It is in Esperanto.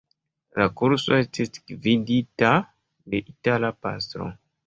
La kurso estis gvidita de itala pastro.